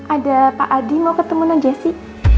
ada pak adi mau ketemu dengan jessy